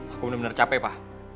aku bener bener capek pa